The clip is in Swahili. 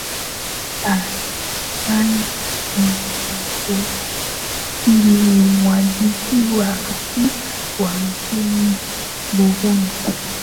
hasan ruvakuki ni mwandishi wa rfi wa nchini burundi